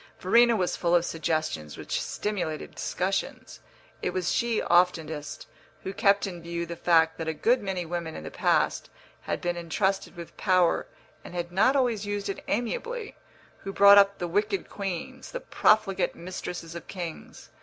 Verena was full of suggestions which stimulated discussions; it was she, oftenest, who kept in view the fact that a good many women in the past had been entrusted with power and had not always used it amiably, who brought up the wicked queens, the profligate mistresses of kings.